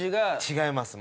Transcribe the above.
違います。